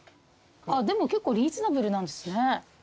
でも結構リーズナブルなんですね。